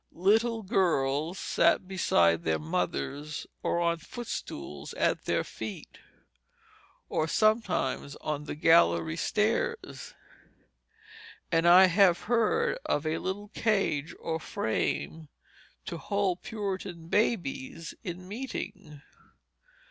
Little girls sat beside their mothers or on footstools at their feet, or sometimes on the gallery stairs; and I have heard of a little cage or frame to hold Puritan babies in meeting.